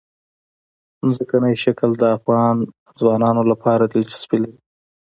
ځمکنی شکل د افغان ځوانانو لپاره دلچسپي لري.